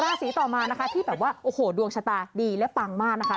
สีต่อมานะคะที่แบบว่าโอ้โหดวงชะตาดีและปังมากนะคะ